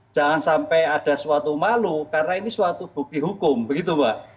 jangan sampai ada suatu malu karena ini suatu bukti hukum begitu mbak